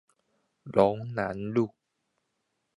龍南路